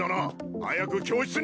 早く教室に。